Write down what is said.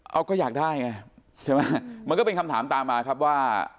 เอาก็อยากได้ไงใช่ไหมมันก็เป็นคำถามตามมาครับว่า